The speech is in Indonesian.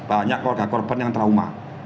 banyak keluarga korban yang trauma